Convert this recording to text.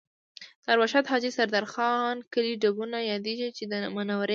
د ارواښاد حاجي سردار خان کلی ډبونه یادېږي چې د منورې